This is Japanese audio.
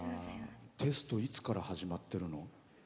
テストいつから始まってるの？